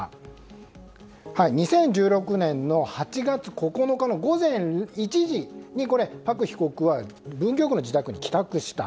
２０１６年の８月９日の午前１時にパク被告は文京区の自宅に帰宅した。